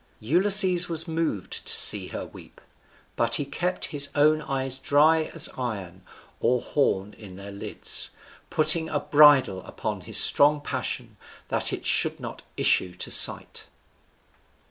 Ulysses was moved to see her weep, but he kept his own eyes dry as iron or horn in their lids, putting a bridle upon his strong passion, that it should not issue to sight.